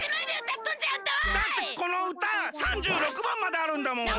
だってこのうた３６番まであるんだもん。